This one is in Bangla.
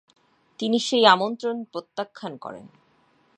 তিনি সেই আমন্ত্রণ প্রত্যাখান করেন।